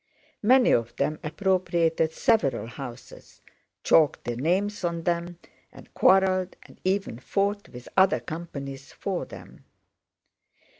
Many of them appropriated several houses, chalked their names on them, and quarreled and even fought with other companies for them.